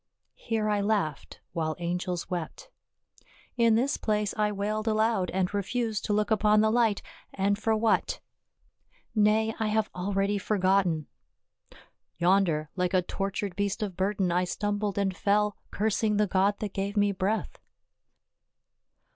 Here I laughed, while angels wept. In this place I wailed aloud and refused to look upon the light, and for what— nay, I have 9 130 PAUL. already forgotten. Yonder, like a tortured beast of burden, I stumbled and fell, cursing the God that gave me breath.